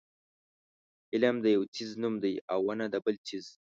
علم د یو څیز نوم دی او ونه د بل څیز.